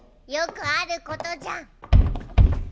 よくあることじゃん。